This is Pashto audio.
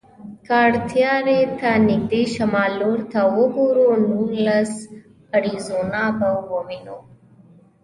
که کټارې ته نږدې شمال لور ته وګورو، نوګالس اریزونا به وینو.